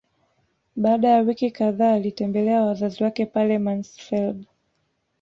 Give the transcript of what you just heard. Baada ya wiki kadhaa alitembelea wazazi wake pale Mansfeld